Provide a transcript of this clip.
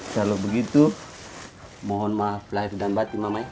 kalau begitu mohon maaf lahir dan bati mama ya